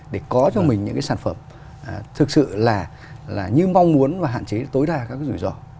để có cho mình những cái sản phẩm thực sự là như mong muốn và hạn chế tối đa các cái rủi ro